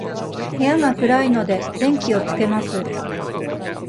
部屋が暗いので、電気をつけます。